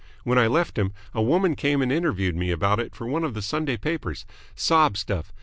When I left him, a woman came and interviewed me about it for one of the Sunday papers. Sob stuff.